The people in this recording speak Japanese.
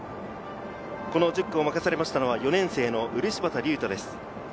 １０区を任されたのは４年生の漆畑瑠人です。